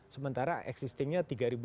sementara existingnya tiga lima